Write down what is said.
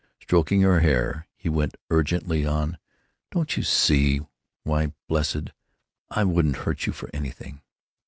Stroking her hair, he went urgently on: "Don't you see? Why, blessed, I wouldn't hurt you for anything!